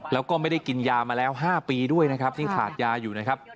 แล้วก็ไม่ได้กินยามาแล้ว๕ปีด้วยนะครับที่ขาดยาอยู่นะครับ